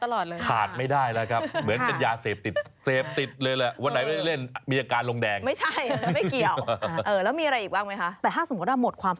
ลองดูเลยค่ะเป็นยังไงค่ะ